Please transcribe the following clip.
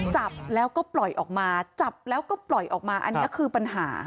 จับแล้วก็ปล่อยออกมาจับแล้วก็ปล่อยออกมาอันนี้คือปัญหา